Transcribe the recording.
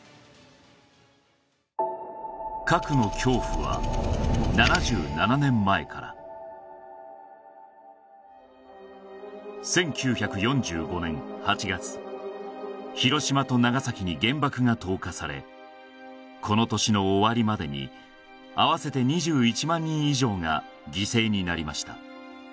核の恐怖は７７年前から１９４５年８月広島と長崎に原爆が投下されこの年の終わりまでに合わせてなりました